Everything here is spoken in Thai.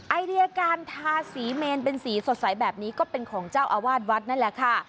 ไอเดียการทาสีเมนเป็นสีสดใสแบบนี้ก็เป็นของเจ้าอาวาสวัดนั่นแหละค่ะ